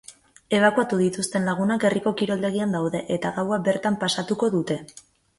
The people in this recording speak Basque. Ebakuatu dituzten lagunak herriko kiroldegian daude eta gaua bertan pasatuko dute.